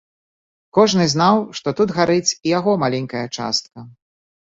Кожны знаў, што тут гарыць і яго маленькая частка.